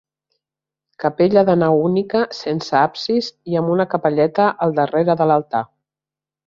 Capella de nau única sense absis i amb una capelleta al darrere de l'altar.